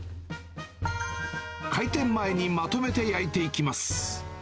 開店前にまとめて焼いていきます。